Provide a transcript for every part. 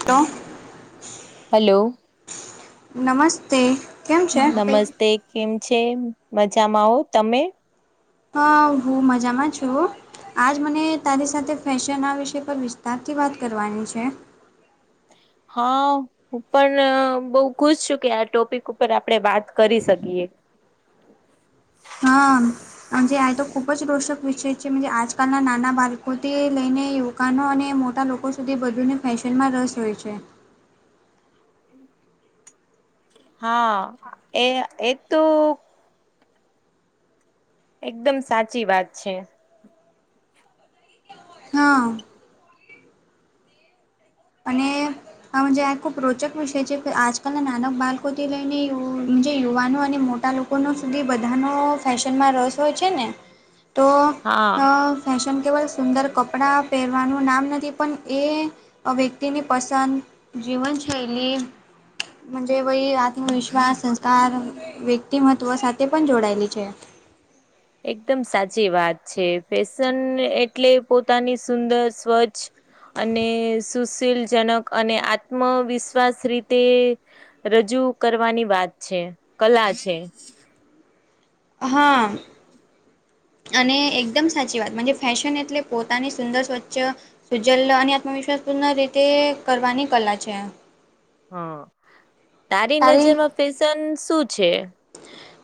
તો હલો. નમસ્તે. કેમ છે નમસ્તે કેમ છે મજામાં હો તમે હા હું મજામાં છું. આજ મને તારી સાથે ફેશન આ વિષ પર વિસ્તારથી વાત કરવાની છે હા હું પણ બઉ ખુશ છું કે આ ટોપિક ઉપર આપણેે વાત કરી શકીએ હા જ આ તો ખૂબ જ રોષક વિષય છેજ આજકાલના નાના બાળકોથી લઈને દુકાનો અને મોટા લોકો સુધી બધુંને ફેશનમાં રસ હોય છે. હા એ એક તો એકદમ સાચી વાત છે. હા. અને આજે આખો પ્રોજેક્ટ પૂછે છે જે આજકાલના નાના બાળકોથી લઈને જે યુવાનો અને મોટા લોકો લોકોનો સુધી બધાનો ફેશનમાં રસ હોય છે ને. [inaudible] તો હા અ ફેશન કેવલ સુંદર કપડાં પહેરવાનું નામ નથી પણ એ આ વ્યક્તિની પસંદ, જીવનશૈલી મજે વય આત્મવિશ્વાસ, સંસ્કાર, વ્યક્તિમત્વ સાથે પણ જોડાયેલી છે. એકદમ સાચી વાત છે. ફેશન એટલે પોતાની સુંદર, સ્વચ્છ અને સુશીલજનક અને આત્મવિશ્વાસ રીતે રજૂ કરવાની વાત છે, કલા છે. હા. અને એકદમ સાચી વાત મજે ફેશન એટલે પોતાની સુંદર, સ્વચ્છ સુજ્જલ અને આત્મવિશ્વાસ પૂર્ણ રીતે કરવાની કલા છે. હા. તારી નજરમાં ફેશન શું છે?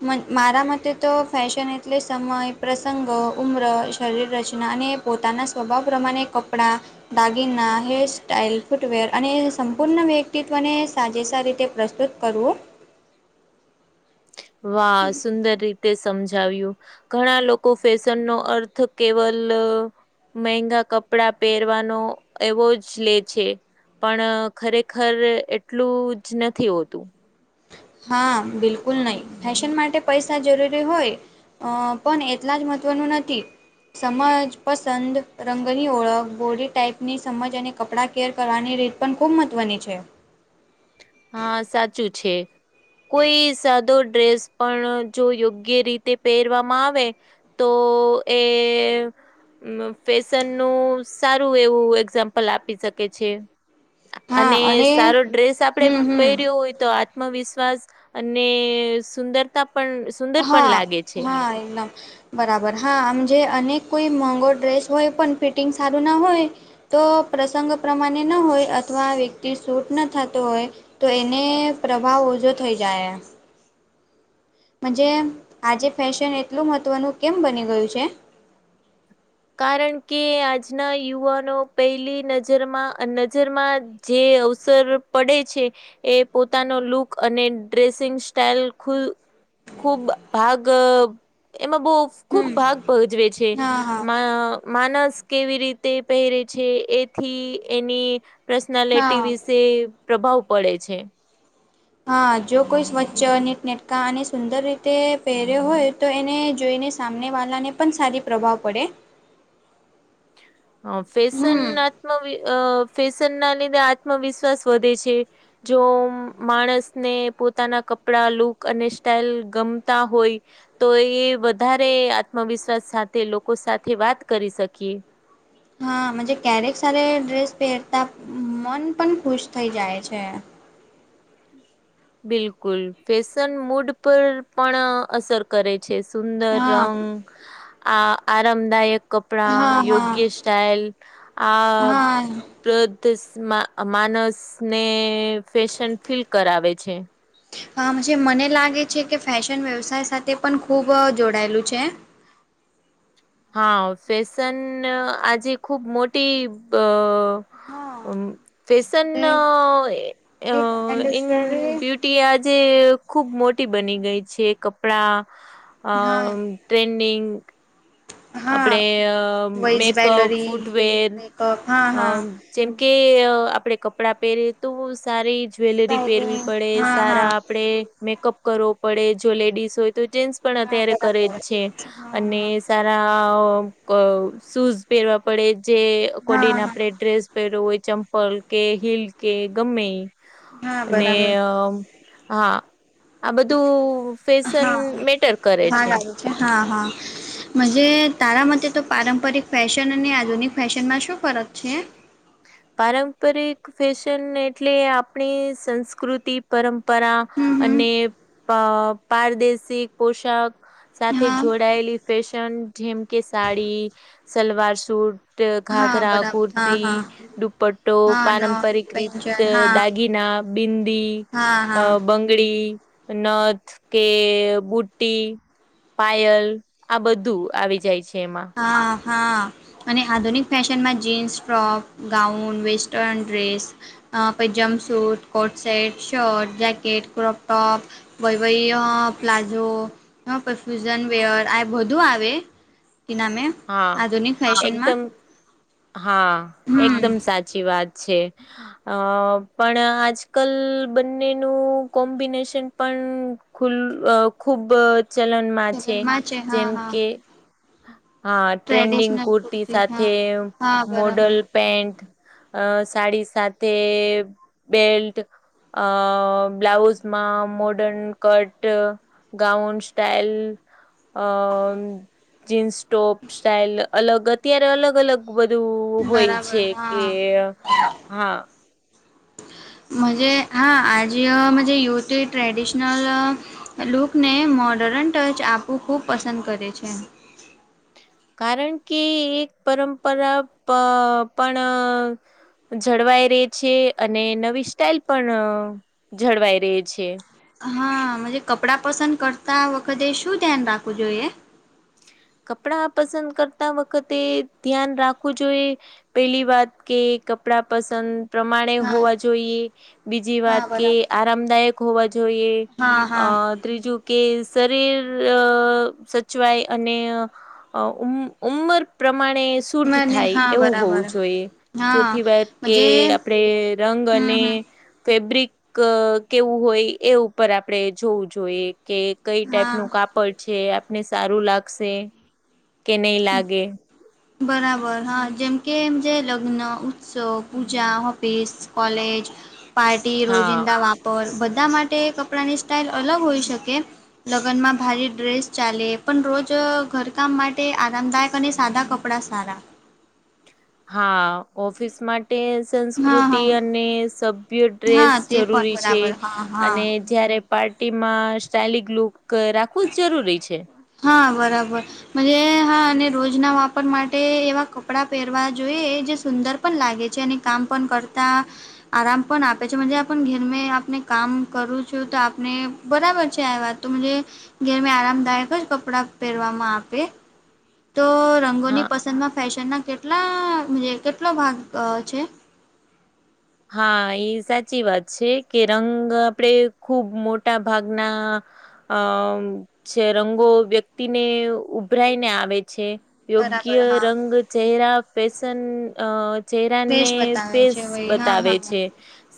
મ મારા મતે તો ફેશન એટલે સમય, પ્રસગો, ઉમ્ર, શરીર રચના અને પોતાના સ્વભાવ પ્રમાણે કપડાં દાગીના, હેર સ્ટાઈલ, ફૂટવેર અને સંપૂર્ણ વ્યક્તિત્વને સાજીસા રીતે પ્રસ્તુત કરવું. વાહ સુંદર રીતે સમજાવ્યું. ઘણા લોકો ફેશન નો અર્થ કેવલ મહેંગા કપડા પહેરવાનો એવો જ લે છે. પણ ખરેખર એટલું જ નથી હોતું. હા બિલકુલ નય. [unintelligible] ફેશન માટે પૈસા જરૂરી હોય પણ એટલા જ મહત્વનું નથી. સમજ, પસંદ, રંગની ઓળખ, બોડી ટાાઈપની સમજ અને કપડાં કેર કરવાની રીત પણ ખૂબ મહત્ત્વની છે. હા સાચું છે. કોઈ સાદો ડ્રેસ પણ જો યોગ્ય રીતે પહેરવામાં આવે તો એ મ ફેશન નું સારું એવું એક્ઝામ્પલ આપી શકે છે. અને સારો ડ્રેસ આપડે હમ હમ હોય તો આત્મવિશ્વાસ અને સુંદરતા પણ સુંદર પણ હા લાગે છે. હા એનમ. બરાબર. હા મજે અનેક કોઈ મોંઘો ડ્રેસ હોય પણ ફિટિંગ સારું ન હોય તો પ્રસગો પ્રમાણે ન હોય અથવા વ્યક્તિ શૂટ ન થતો હોય તો એને પ્રભાવ ઓછો થઈ જાય. મજે આજે ફેશન એટલું મહત્ત્વનું કેમ બની ગયું છે? કારણ કે આજના યુવાનો પહેલી નજરમાં, નજરમાં જ જે અવસર પડે છે. એ પોતાનો લુક અને ડ્રેસિંગ સ્ટાઈલ ખુ ખુબ ભાગ એમાં બો ખુબ હમ ભાગ ભજવે છે. હા હા અ માનસ કેવી રીતે પહેરે છે, એથી એની પર્સનાલિટી હા વિશે પ્રભાવ પડે છે. હા જો કોઈ સ્વચ્છ નીટ નેટકા અને સુંદર રીતે પહેર્યો હોય તો એને જોઈને સામનેવાળાને પણ સારી પ્રભાવ પડે. હ ફેશન હમ ના ફેશન ના લીધે આત્મવિશ્વાસ વધે છે. જો માણસને પોતાના કપડા લુક અને સ્ટાઈલ ગમતા હોય. તો એ વધારે આત્મવિશ્વાસ સાથે લોકો સાથે વાત કરી શકીએ. હા મજ ક્યારેક સારી ડ્રેસ પહેરતા મન પણ ખુશ થઈ જાય છે. બિલકુલ ફેશન મૂડ પર પણ અસર કરે. છે સુંદર હા રંગ આ આરામદાયક. કપડા હા હા યોગ્ય સ્ટાઈલ આ. હા [unintelligible] માનસ ને ફેશન ફીલ કરાવે છે જે મને લાગે છે કે ફેશન વ્યવસાય સાથે પણ ખૂબ જોડાયેલું છે. હા ફેશન આજે ખુબ મોટી બ હા ફેશન એક ઇન ઇન્ડસ્ટ્રી બ્યુટી આજે ખુબ મોટી બની ગઈ છે કપડા અ હા ટ્રેડિંગ. આપણે હા વૈજ મેકઅપ જ્વેલરી ફૂટવેર મેકઅપ હા અ હા જેમ કે આપણેે કપડાં પહેરીએ તો સારી જ્વેલરી પહેરવી સ્ટાઈલિંગ પડે હા હા સારા. આપણેે મેકઅપ કરવો પડે જો લેડીસ હોય. તો જેન્સ પણ હા અત્યારે કરે જ બરાબર છે હા અને સાર [unintelligible] શૂઝ પહેરવા પડે જે હા અકોર્ડિન હા આપડ ડ્રેસ પહેર હોય ચંપલ કે હીલ કે ગમે એ હા અને બરાબર હા આ બધું ફેશન હા મેટર કરે ભાગ છે. આવ્યો હા હા. મજે તારા મતે તો પારંપરિક ફેશન અને આધુનિક ફેશનમાં શું ફરક છે. પારંપરિક ફેશન એટલે આપણી સંસ્કૃતિ પરંપરા હમ હમ અને પારદેશિક પોશાક સાથે હા જોડાયેલી ફેશન જેમ કે સાડી સલવાર સૂટ, હા ઘાઘરા, બરાબર હા હા કુર્તી દુપટ્ટો, હા ન પારંપરિક રીત, પંજન હા દાગીના, બિંદી. હા અ હા બંગડી, નથ કે બુટ્ટટી. પાયલ આ બધું આવી જાય છે. એમાં હા. હા અને આધુનિક ફેશનમાં jeans, frock, gown western dress. પૈજામ suit, coat set, shirt, jacket, crop top વય વય પ્લાઝો, પરફ્યુઝન વેર આ બધું આવે. કે નામે હા આધુનિક ફેશનમાં્ એકદમ હા એકદમ સાચી વાત છે. અ પણ આજ કલ બંનેનું કોમ્બિનેશન પણ. ખુલ્ ખુબ ચલનમાં છે ચલનમાં હા જેમ હા કે. હા ટ્રેન્ડિંગ ટ્રેડિશનલ કુર્તી હા સાથે હા બરાબર મોડલ પેન્ટ. અ સાડી, સાથે બેલ્ટ. અ બ્લાઉઝમાં મોડર્ન કટ. ગાઉન, સ્ટાઈલ અ જીન્સ. ટોપ સ્ટાઈઇલ અલગ અત્યારે અલગ અલગ. બધું હોય બરાબર છે કે હા હા. મજૈ હા આજજ યુતી ટ્રેડિશનલ લુકને મોડર્ન ટચ આપવું ખૂબ પસંદ કરે છે. કારણ કે એક પરંપરા પણ જળવાઈ રહે છે અને નવી સ્ટાઇલ પણ જળવાઈ રહે છે. હા મજે કપડાં પસંદ કરતા વખતે શું ધ્યાન રાખવું જોઈએ. કપડા પસંદ કરતા વખતે ધ્યાન રાખવું જોઈએ પેલી વાત કે કપડા પસંદ પ્રમાણે હા હોવા જોઈએ, બીજી હા વાત કે બરાબર. આરામદાયક હોવા જોઈએ. હા અ હા ત્રીજું કે શરીર અ સચવાય અ ને ઉંમર પ્રમાણે સૂટ મને થાય, હા એવું બરાબર હોવું જોઈએ. હા. ચોથી વાત કે મજે આપણેે રંગ હમ અને હમ ફેબ્રિક ક કેવું હોય એ ઉપર આપણે જોવું જોઈએ કે કઈ ટાઈપ હા. નું કાપડ છે, આપને સારું લાગશે કે નહી લાગે. બરાબર હા, જેમકે એમજે લગ્ન, ઉત્સવ, પૂજા, ઓફિસ કોલેજ, પાર્ટી, હા રોજિંદા વાપ પર, બધા માટે કપડાંની સ્ટાઇલ અલગ હોઈ શકે. લગ્નમાં ભારી ડ્રેસ ચાલે, પણ રોજ ઘરકામ માટ તે આરામદાયક અને સાદા કપડા સારા. હા ઓફિસ માટેસ હા સંસ્કૃતિ હા અને સભ્ય ડ્રેસ હા તે પણ જરૂરી છે, બરાબર હા હા અને જયારે પાર્ટી માં સ્ટાઇગ લિક લુક રાખવું જ જરૂરી છે. હા બરાબર મન્જે હા, અને રોજના વાપર માટે એવા કપડાં પહેરવા જોઈએ જે સુંદર પણ લાગે છે અને કામ પણ કરતા આરામ પણ આપે છે, મન્જે આપણ ઘેર મે આપને કામ કરું છું તો આપને બરાબર છે આ વાત તો મન્જે ઘેર મે આરામદાયક જ કપડા પહેરવાવામાં આપે તો હા રંગોની પસંદમાં ફેશનના કેટલા મન્જે કેટલો ભાગ અ છે? હા એ સાચી વાત છે, કે રંગ આપડે ખુબ મોટા ભાગના અ છે, રંગો વ્યક્તિને ઉભરાઈને આવે છે. બરાબર યોગ્ય હા. રંગ, ચહેરા પેશન અ ચહેરાને દેશ બતાવે ફેસ છે વય હા તાવે હા. છે,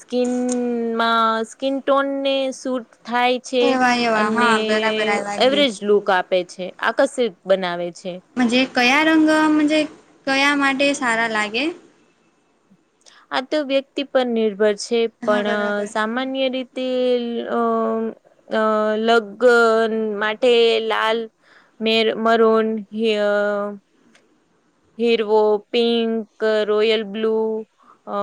સ્કીિનમાં સ્કીિન ટોનને શૂટ થાય છે, એવા એવા અને હા બરાબર આયવા યાદ બી. એવરેજ લુક આપે છે, આકર્ષિત બનાવે છે. મન્જે કયા રંગ, મન્જે કયા માટે સારા લાગે? આ તો વ્યક્તિ પર નિર્ભર છે, હા બરાબર પણ સામાન્ય રીત તે અ અ લગ્ન માટે લાલ મેર મરૂન હિ અ હીરવો, પિંક, રોયલ બ્લુ અ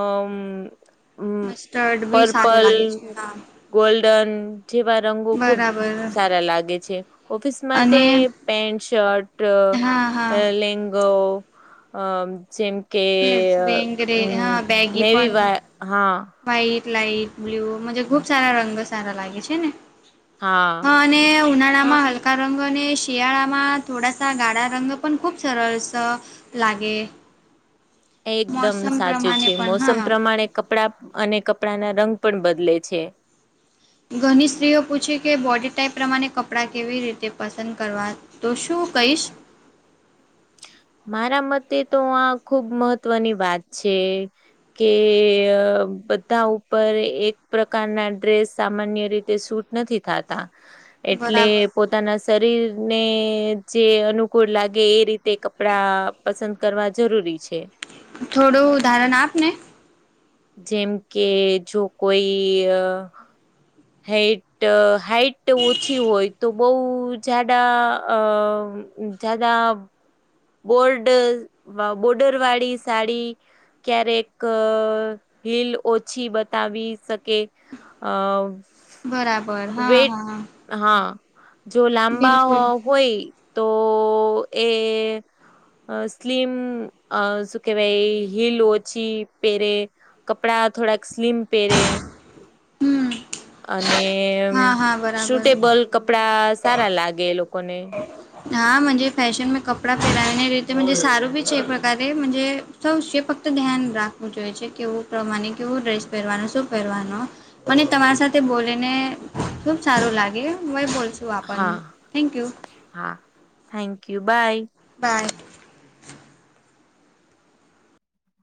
મસ્ટર્ડ બી સારું લાગે છે હા. ગોલ્ડન જેવા રંગો ખુબ બરાબર સારા લાગે છે, ઓફિસ માટે અને પેન્ટ શર્ટ અ હા હા લેંગો અ જેમ કે બેંગરે હ મ હા બેગી પણ નેવીવા હા વ્હાઈટ, લાાઈટ બ્લુ મન્જે ખુબ સારા રંગ સારા લાગે છે ને. હા ને હા ઉનાળામાં હલ કા રંગ, અને શિયાળામાં થોડાસા ગાળા રંગ પણ ખૂબ સરળ શ લાગે એકદમ મોસમ સાચું પ્રમાણે છે, પણ મોસમ હા પ્રમાણે કપડા અને કપડાના રંગ પણ બદલે છે. ઘણી સ્ત્રીઓ પૂછે કે, બોડી ટાાઈપ પ્રમાણે કપડાં કેવી રીતે પસંદ કરવા. તો શું કહીશ મારા મતે તો આ ખુબ મહત્વની વાત છે. કે અ બધા ઉપર એક પ્રકારના ડ્રેસ સામાન્ય રીતે સૂટ નથી થાતા એટલે બરાબર પોતાના શરીર ને જે અનુકૂળ લાગે એ રીતે ક પડા પસંદ કરવા જરૂરી છે. થોડું ઉદાહારણ આપ ને જેમ કે જો કોઈ હાઇટ હાઈટ ઓછી હોય તો બહુ જાડા અ [unintelligible] ગોલ્ડ બોર્ડર વાળી સાડી ક્યારેક હિલ ઓછી બતાવી શકે અ બરાબર હા વેટ હા હા જો લાંબા બિલકુલ હોય તો એ અ સ્લીમ અ સુ કેહેવાય હિલ ઓછી પેરે કપડા થોડાક સ્લિમ પેરે હમ કે હા હા સુટેબલ કપડા સારા લાગે લોકોને હા મને ફેશનમાં કપડા પહેરાવને રીતે સારું બી છે એ પ્રકારે સૌશે ફક્ત ધ્યાન રાખવું જોઈએ છે કેવું પ્રમાણે કેવો ડ્રેસ પહેરવાનો શું પહેરવાનો. મને તમારી સાથે બોલીને ખુબ સારું લાગે હું [unintelligible] હા હા થેન્ક યુ બાય બાય